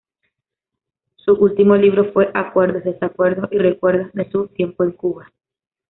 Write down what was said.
Su último libro fue "Acuerdos, desacuerdos y recuerdos", de su tiempo en Cuba.